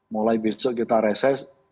mulai besok kita reses